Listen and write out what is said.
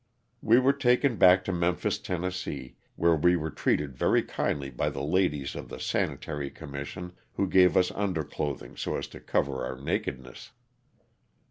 We were taken back to Memphis, Tenn., where we were treated very kindly by the ladies of the Sanitary Commission who gave us under clothing so as to cover our nakedness.